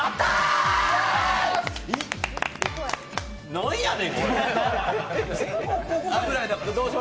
なんやねん、これ。